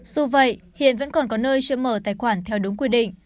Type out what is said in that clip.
dù vậy hiện vẫn còn có nơi chưa mở tài khoản theo đúng quy định